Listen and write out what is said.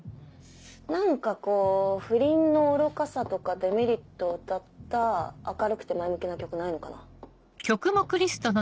何かこう不倫の愚かさとかデメリットを歌った明るくて前向きな曲ないのかな。